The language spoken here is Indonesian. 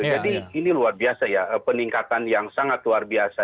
jadi ini luar biasa ya peningkatan yang sangat luar biasa